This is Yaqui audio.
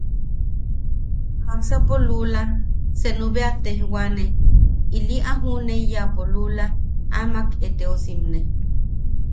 Jaksapo luula senu bea a tejwane, ili a juʼuneiyapo luula amak eteosimne.